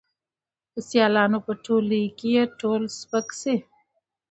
د سیالانو په ټولۍ کي یې تول سپک سي